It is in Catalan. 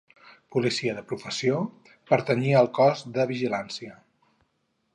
Policia de professió, pertanyia al Cos de Vigilància.